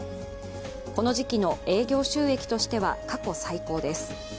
この時期の営業収益としては過去最高です。